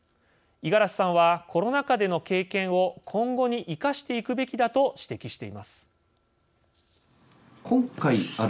五十嵐さんはコロナ禍での経験を今後に生かしていくべきだと指摘しています。